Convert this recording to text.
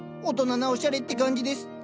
大人なおしゃれって感じです。